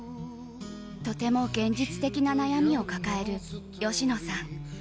とても現実的な悩みを抱える芳野さん。